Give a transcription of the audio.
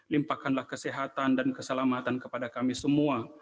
limpahkanlah kesehatan dan keselamatan kepada kami semua